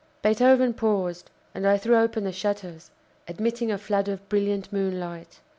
Beethoven paused, and I threw open the shutters, admitting a flood of brilliant moonlight.